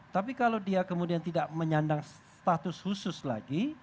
tapi kalau dia kemudian tidak menyandang status khusus lagi